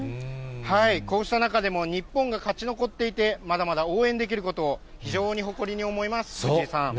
こうした中でも、日本が勝ち残っていて、まだまだ応援できることを非常に誇りに思います、藤井さん。